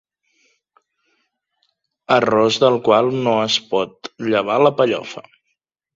Arròs del qual no es pot llevar la pellofa.